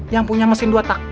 yang punya mesin dua tak